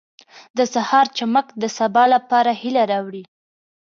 • د سهار چمک د سبا لپاره هیله راوړي.